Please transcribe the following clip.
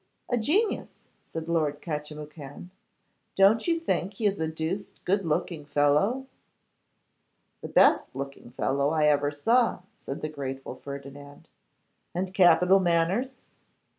'A genius,' said Lord Catchimwhocan. 'Don't you think he is a deuced good looking fellow?' 'The best looking fellow I ever saw,' said the grateful Ferdinand. 'And capital manners?